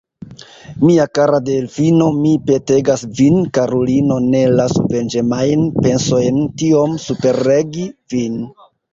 Mia kara Delfino, mi petegas vin, karulino, ne lasu venĝemajn pensojn tiom superregi vin.